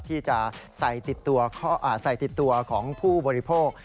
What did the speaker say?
ที่จะใส่ติดตัวของผู้บริโภค